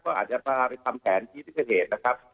ก็อาจจะพาไปทำแผนที่ที่เกิดเหตุนะครับ